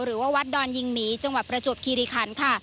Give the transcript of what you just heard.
หรือว่าวัดดอนยิงหมีจังหวัดประจวบคิริคันค่ะ